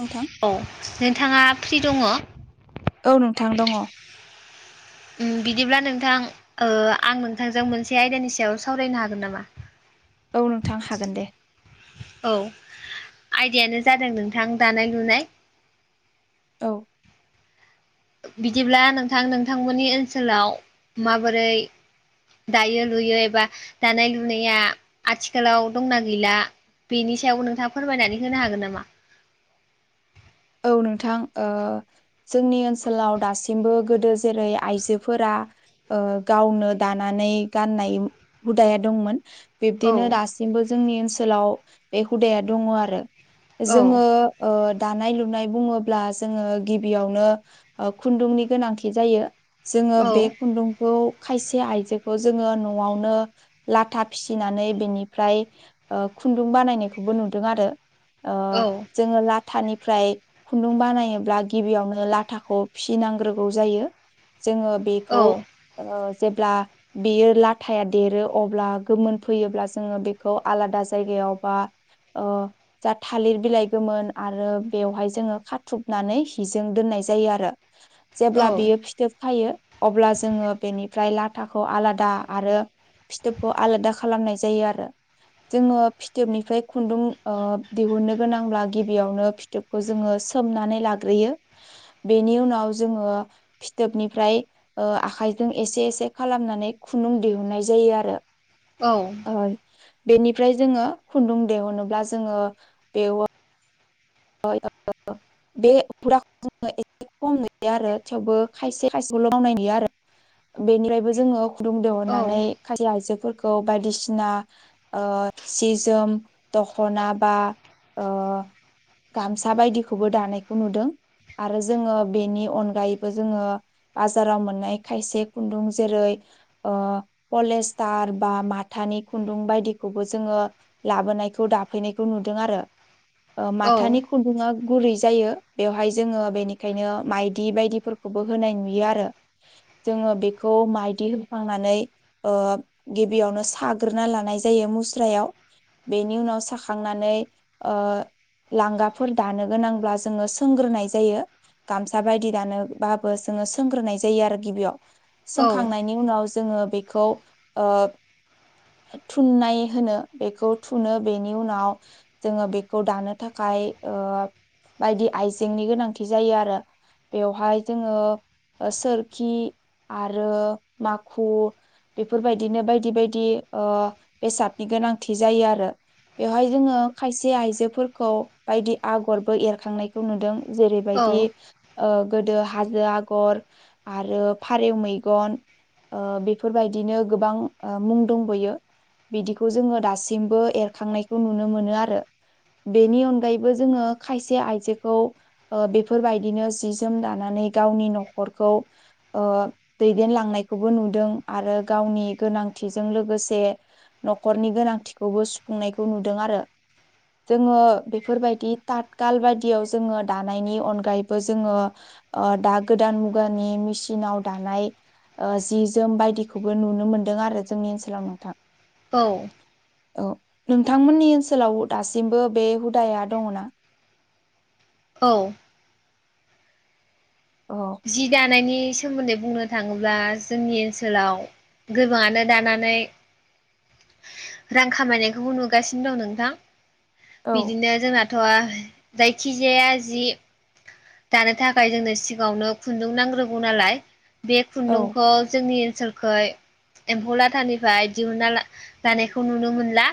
नोंथां औ नोंथाङा फ्रि दङ? औ नोंथां दङ। बिदिब्ला नोंथां आं नोंथांजों मोनसे आयदानि सायाव सावरायनो हागोन नामा? औ नोंथां हागोन दे औ आयदायानो जादों नोंथां दानाय लुनाय औ बिदिब्ला नोंथां नोंथांमोननि ओनसोलाव माबोरै दायो लुयो एबा दानाय लुनाया आथिखालाव दंना गैला बेनि सायाव नोंथाङा फोरमायनानै होनो हागोन नामा? औ नोंथां जोंनि ओनसोलाव दासिमबो गोदो जेरै आइजोफोरा गावनो दानानै गाननाय हुदाया दंमोन औ बिब्दिनो दासिमबो जोंनि ओनसोलाव बे हुदाया दङ आरो औ जोङो दानाय लु नाय बुङोब्ला जोङो गिबियावनो खुन्दुंनि गोनांथि जायो जोङो औ बे खुन्दुंखौ खायसे आइजोखौ जोङो न'आवनो लाथा फिसिनानै बेनिफ्राय खुन्दुं बानायनायखौबो नुदों आरो औ जोङो लाथानिफ्राय खुन्दुं बानायोब्ला गिबियावनो लाथाखौ फिसिनांग्रोगौ जायो। जोङो औ बेखौ ओ जेब्ला बियो लाथाया देरो अब्ला गोमोन फैयोब्ला जोङो बेखौ आलादा जायगायाव बा ओ जा थालिर बिलाइ गोमोन बेवहाय जोङो खाथ्रुबनानै हिजों दोननाय जायो आरो। जेब्ला औ बियो फिथोब खायो अब्ला जोङो बेनि फ्राय लाथाखौ आलादा आरो फिथोबखौ आलादा खालामनाय जायो आरो जोङो फिथोबनिफ्राय खुन्दुं दिहुननो गोनांब्ला गिबियावनो फिथोब खौ जोङो सोमनानै लाग्रोयो बेनि उनाव जोङो फिथोबनिफ्राय आखाइजों एसे एसे खालामनानै खुन्दुं दिहुननाय जायो आरो। औ बेनिफ्राय जोङो खुन्दुं दिहुनोब्ला जोङो बेव [unintelligible] खम नुयो आरो थेवबो खायसे खायसेखौल' मावनाय नुयो आरो बेनिफ्रायबो जोङो फुदुं औ दिहुननानै खायसे आइजो बायदिसिना सि जोम दखना बा गामसा बायदिखौबो दानायखौ नुदों। आरो जोङो बेनि अनगायैबो जोङो बाजाराव मोननाय खायसे खुन्दुं जेरै ओ पलेसतार बा माथानि खुन्दुं बायदिखौबो जोङो लाबो नायखौ दाफैनायखौ नुदों आरो। [inaudible] माथानि खुन्दुङा गुरै जायो बेवहाय जोङो बेनिखायनो माइदि बायदिफोरखौबो होनाय नुयो आरो। जोङो बेखौ माइदि होफ्लांनानै गिबियावनो साग्रोना लानाय जायो मुस्रायाव। बेनि उनाव साखांनानै लांगाफोर दानो गोनांब्ला जोङो सोंग्रोनाय जायो गामसा बायदि दानोबाबो जोङो सोंग्रोनाय जायो आरो गिबियाव सोंखांनायनि उनाव जोङो बेखौ ओ थुननाय होनो बेखौ थुनो बेनि उनाव जोङो बेखौ दानो थाखाय ओ बायदि आइजेंनि गोनांथि जायो आरो बेवहाय जोङो ओ सोरखि आरो माखु बेफोरबायदिनो बायदि बायदि ओ बेसादनि गो गोनांथि जायो आरो बेयावहाय जोङो खायसे आइजोफोर खौ बायदि आगरबो एरखांनायखौ नुदों जेरैबायदि ओ गोदो हाजो आगर आरो फारेव मैगन ओ बेफोरबायदिनो गोबां ओ मुं दंबोयो बिदिखौ जोङो दासिमबो एरखांनायखौ नुनो मोनो आरो बेनि अनगायैबो जोङो खायसे आइजोखौ ओ बेफोरबायदिनो जि जोम दानानै गा गावनि न'खरखौ ओ दैदेनलांनायखौबो नुदों आरो गावनि गोनांथि थिजों लोगोसे न'खरनि गोनांथिखौबो सुफुंनायखौ नुदों आरो [inaudible] जोङो बेफोरबायदि थाथखाल बायदियाव जोङो दानायनि अनगायैबो जोङो ओ ओ दा गोदान मुगानि मेसिनाव दानाय ओ जि जोम बायदिखौबो नुनो मोनदों आरो जोंनि ओनसोलाव नोंथां औ औ नोंथांमोननि ओनसोलाव दासिमबो बे हुदाया दङना औ औ जि दानायनि इ सोमोन्दै बुंनो थाङोब्ला जोंनि ओनसोलाव गोबाङानो दानानै रां खामायनायखौबो नुगासिनो दं नोंथां औ बिदिनो जोंना थ'आ जायखिजाया जि दानो थाखाय जोंनो सिगाङावनो खुन्दुं नांग्रोगौ नालाय बे औ खुन्दुंखौ जोंनि ओनसोलखै एम्फौ लाथानिफ्राय दिहुनना ला लानायखौ नुनो मोनला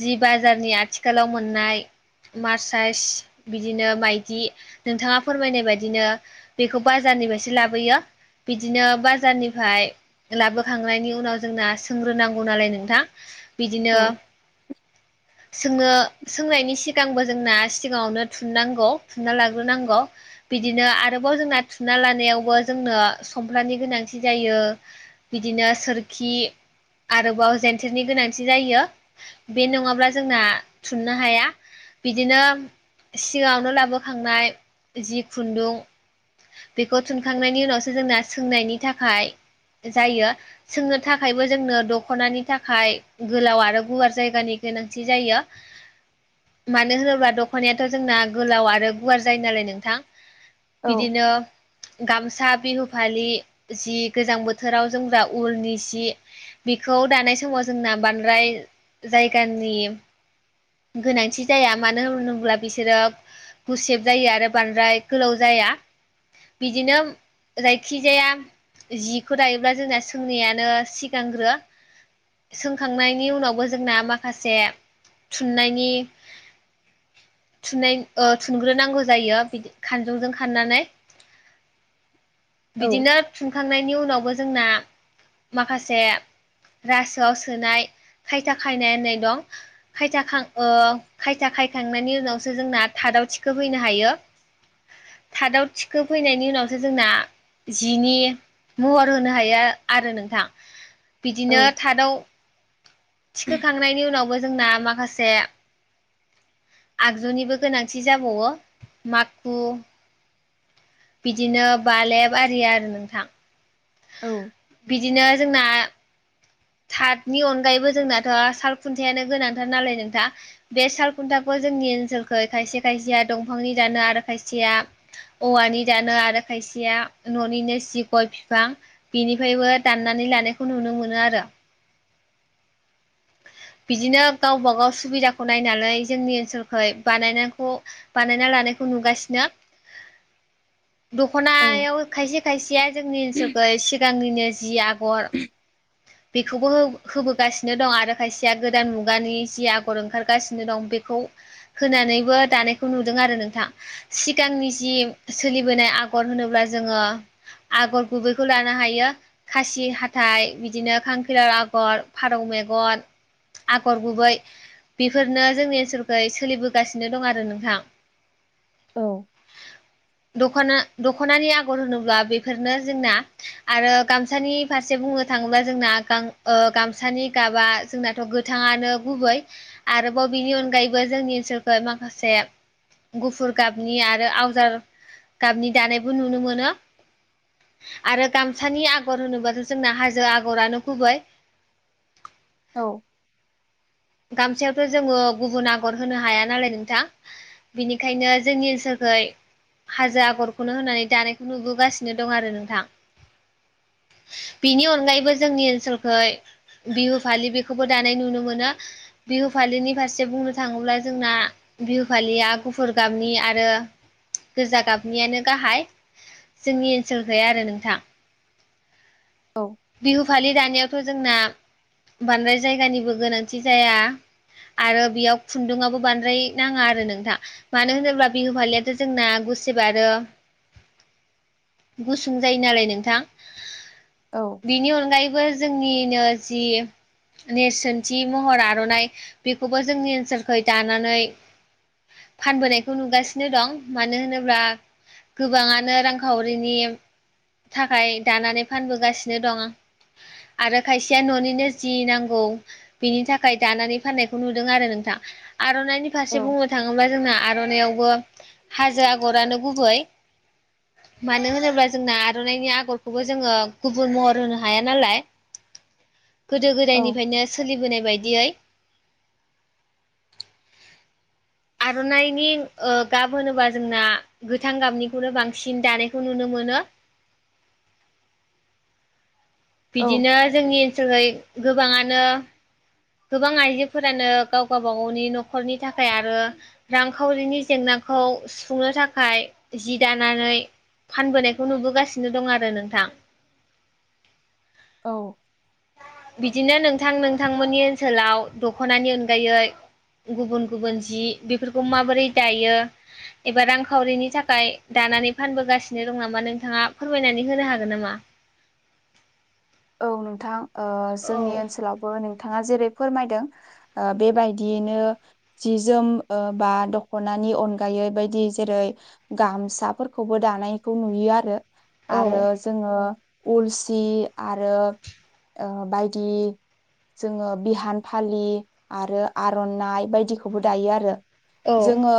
जि बाजारनि आथिखालाव मोननाय मार साइस बिदिनो माइदि नोंथाङा फोरमायनाय बायदिनो बेखौ बाजारनिफ्रायसो लाबोयो बिदिनो बाजारनिफ्राय लाबोखांनायनि उनाव जोंना सोंग्रोनांगौ नालाय नोंथां बिदिनो औ सोंनो सोंनायनि सिगांबो जोंना सिगाङावनो थुननांगौ थुनना लाग्रोनांगौ बिदिनो आरोबाव जोंना थुनना लानायावबो जोंनो संफ्लानि गोनांथि जायो बिदिनो सोरखि आरोबाव जेनथेरनि गोनांथि जायो बे नङाब्ला जोंना थुननो हाया बिदिनो सिगावनो लाबोखांनाय जि खुन्दुं बेखौ थुनखांनायनि उनावसो जोंना सोंनायनि थाखाय जायो सोंनो थाखायबो जोंनो दख'नानि थाखाय गोलाव आरो गुवार जायगानि गोनांथि जायो मानो होनोब्ला दख'नायाथ' जोंना गोलाव आरो गुवार जायो नालाय नोंथां औ बिदिनो गामसा बिहु फालि जि गोजां बोथोराव जों जा उलनि जि बेखौ दानाय समाव जोंना बांद्राय जायगानि गोनांथि जाया मानो होनोब्ला बिसोरो गुसेब जायो आरो बांद्राय गोलाव जाया बिदिनो जायखिजाया जिखौ दायोब्ला जोंना सोंनायानो सिगांग्रो सोंखांनायनि उनावबो जोंना माखासे थुननायनि थुननाय ओ थुनग्रोनांगौ जायो बिदि खानजंजों खाननानै औ बिदिनो थुनखांनायनि उनावबो जोंना माखासे रासोआव सोनाय खायथा खायनायनाय होननाय दं खायखांनायनि उनावसो जोंना थादाव थिखो फैनो हायो थादाव थि खो फैनायनि उनावसो जोंना जिनि महर होनो हाया आरो नोंथां औ बिदिनो थादाआव थिखोखांनायनि उनावबो जोंना माखासे आगजुनिबो गोनांथि जाबावो माखु बिदिनो बालेब आरि आरो नोंथां औ बिदिनो जोंना थाथनि अनगायैबो जोंनाथ' सालखुन्थायानो गोनांथार नालाय नोंथां बे सालखुन्थाखौ जोंनि ओनसोलखौ खायसे खायसेया दंफांनि दानो आरो खायसेया औवानि दानो आरो खायसे सेया न'निनो जि गय बिफां बिनिफ्रायबो दाननानै लानायखौ नुनो मोनो आरो बिदिनो गावबा गाव सुबिदाखौ नायनानै जोंनि ओनसोलखै बानायखौ बानायना ला नायखौ नुगासिनो औ दखनायाव खायसे खायसेया जोंनि ओनसोलखौ सिगांनिनो जि आगर [unintelligible] बेखौबो होबोगासिनो दं आरो खायसेया गोदान मुगानि जि आगर ओंखारगासिनो दं बेखौ होनानैबो दानायखौ नुदों आरो नोंथां सिगांनि जि सोलिबोनाय आगर होनोब्ला जोङो आगर गुबैखौ लानो हायो खासि हाथाइ बिदिनो खांखिरार आगर फारौ मेगन आगर गुबै बेफोरनो जोंनि ओनसोलखै सोलिबोगासिनो दं आरो नोंथां औ दखना दख'नानि आगर होनोब्ला बेफोरनो जोंना आरो गामसानि फारसे बुङो थाङोबा जोंना ओ गामसानि गाबा जोंनाथ' गोथाङानो गुबै आरोबाव बिनि अनगायैबो जोंनि ओनसोलखै माखासे गुफुर गाबनि आरो आवजार गाबनि दानायबो नुनो मोनो आरो गामसानि आगर होनोबाथ' जोंना हाज जो आगरानो गुबै औ गामसायावथ' जोङो गुबुन आगर होनो हाया नालाय नोंथां बिनिखायनो जोंनि ओनसोलखै हाजो आगरखौनो होनानै दानायखौ नुबोगासिनो दं आरो नोंथां बिनि अनगायैबो जोंनि ओनसोलखै बिहु फालि बेखौबो दानाय नुनो मोनो बिहु फालिनि फारसे बुंनो थाङोब्ला जोंना बिहु फालिया गुफुर गाबनि आरो गोजा गाबनियानो गाहाय जोंनि ओनसोलखै आरो नोंथां बिहु फालि दानायावथ' जोंना बांद्राय जायगानिबो गोनांथि जाया आरो बेयाव खुन्दुआबो बांद्राय नाङा आरो नोंथां मानो होनोब्ला बिहु फालियाथ' जोंना गुसेब आरो गुसुं जायो नालाय नोंथां बिनि अनगायैबो जोंनिनो जि नेरसोनथि महर आर'नाइ बेखौबो जोंनि ओनसोलखै दानानै फानबोनायखौ नुगासिनो दं मानो होनोब्ला गोबाङानो रांखावरिनि थाखाय दानानै फानबोगासिनो दं आरो खायसेया न'निनो जि नांगौ बिनि थाखाय दानानै फाननायखौ नुदों आरो नों थां आर'नाइनि फारसे बुंनो थाङोबा जोंना आर'नायावबो हाजो आगरानो गुबै मानो होनोब्ला जोंना आर'नाइनि आगरखौबो जोङो गुबुन महर होनो हाया नालाय गोदो औ गोदायनिफ्रायनो सोलिबोनाय बाय दियै आर'नाइनि ओ गाब होनोबा जोंना गोथां गाबनिखौनो बांसिन दानायखौ नुनो मोनो [unintelligible] औ बिदिनो जोंनि ओनसोलखै गोबाङानो गोबां आइजोफोरानो गाव गावबा गावनि न'खरनि थाखाय आरो रांखावरिनि जेंना हाखौ सुफुंनो थाखाय जि दानानै फानबोनायखौ नुबोगासिनो दं आरो नोंथां। औ बिदिनो नोंथां नोंथांमोननि ओनसोलाव दख'नानि अनगायै गुबुन गुबुन जि बेफोरखौ माबोरै दायो एबा रांखावरिनि थाखाय दायो नानै फानासिनो दं नामा नोंथाङा फोरमायनानै होनो हागोन नामा? औ नोंथां औ जोंनि ओनसोलावबो नोंथाङा जेरै फोरमायदों बेबायदियैनो सि जोम बा दखनानि अनगायै बेबायायदि जेरै गामसाफोरखौबो दानायखौ नुयो आरो औ आरो जोङो उलसि आरो बायदि जोङो बिहान फालि आरो आर'नाइ बायदिखौबो दायो आरो औ जोङो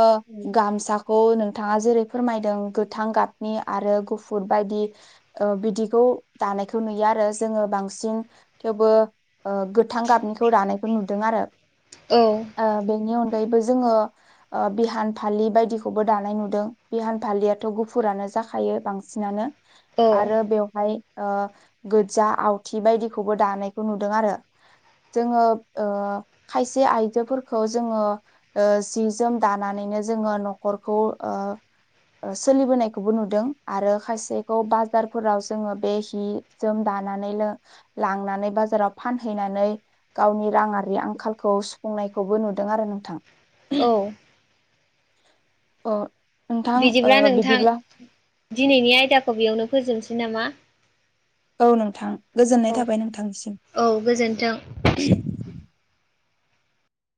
गामसाखौ नोंथाङा जेरै फोरमायदों गोथां गाबनि आरो गुफुर बायदि बिदिखौ दानायखौ नुयो आरो आरो जोङो बांसिन थेवबो गोथां गाबनिखौ दानायखौ नुदों आरो। औ ओ बेनि अनगा यैबो जोङो बिहान फालि बायदिखौबो दानाय नुदों बिहान फालियाथ' गुफुरानो जाखायो बांसिनानो औ आरो बेवहाय गोज्जा आवथि बायदिखौबो दानायखौ नुदों आरो। जोङो खायसे आयजोफोरखौ जोङो जि जोम दानानै बेनो जोङो न'खरखौ सोलिबोनायखौबो नुदों आरो खायसेखौ बाजारफोराव जोङो बे हि जोम दानानै ल लांनानै बाजाराव फानहैनानै गावनि राङारि आंखालखौ खौ सुफुंनायखौबो नुदों आरो नोंथां। औ अ नोंथां ओ बिदिब्ला नोंथां बिदिब्ला दिनैनि आयदाखौ बेयावनो फोजोबनोसै नामा? औ नोंथां गोजोननाय औ थाबाय नोंथांनिसिम। औ गोजोन्थों।